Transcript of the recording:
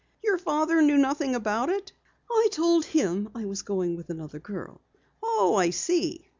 "Your father knew nothing about it?" "I told him I was going with another girl." "Oh, I see."